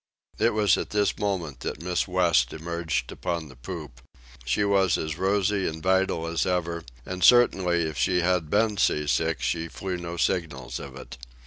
It was at this moment that Miss West emerged upon the poop. She was as rosy and vital as ever, and certainly, if she had been sea sick, she flew no signals of it.